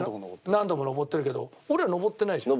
何度も登ってるけど俺ら登ってないでしょ？